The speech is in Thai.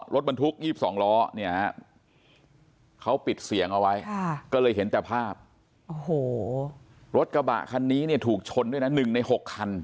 รถบรรทุก๒๒ล้อเนี่ยเขาปิดเสียงเอาไว้ก็เลยเห็นแต่ภาพโอ้โหรถกระบะคันนี้เนี่ยถูกชนด้วยนะ๑ใน๖คัน